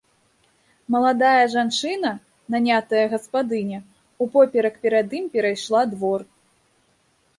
Маладая жанчына, нанятая гаспадыня, упоперак перад ім перайшла двор.